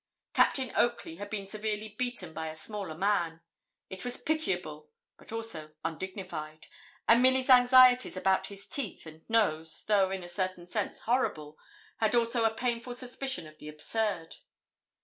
Captain Oakley had been severely beaten by a smaller man. It was pitiable, but also undignified; and Milly's anxieties about his teeth and nose, though in a certain sense horrible, had also a painful suspicion of the absurd.